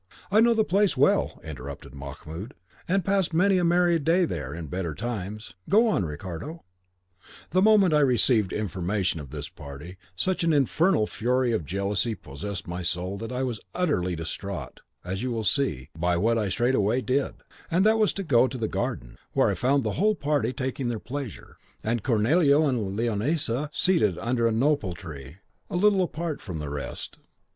"I know the place well," interrupted Mahmoud, "and passed many a merry day there in better times. Go on, Ricardo." "The moment I received information of this party, such an infernal fury of jealousy possessed my soul that I was utterly distraught, as you will see, by what I straightway did; and that was to go to the garden, where I found the whole party taking their pleasure, and Cornelio and Leonisa seated together under a nopal tree, a little apart from the rest.